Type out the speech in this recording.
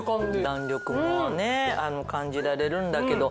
弾力もね感じられるんだけど。